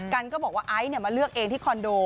กันก็บอกว่าไอซ์มาเลือกเองที่คอนโด